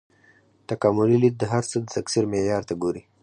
تکاملي لید د هر څه د تکثیر معیار ته ګوري.